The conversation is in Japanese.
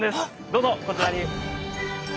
どうぞこちらに。